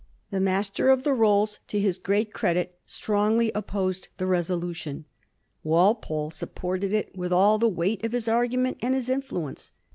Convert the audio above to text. The Master of the RoUs, to his great credit, strongly opposed the resolution. Wal pole supported it with all the weight of his argu ment and his influence.